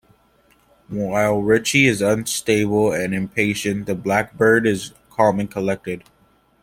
While Richie is unstable and impatient, the Blackbird is calm and collected.